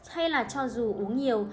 hay là cho dù uống nhiều